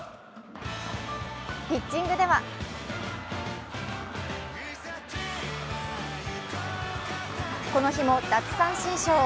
ピッチングではこの日も奪三振ショー。